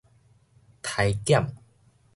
篩檢